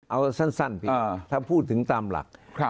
เอาสั้นผิดถ้าพูดถึงตามหลัก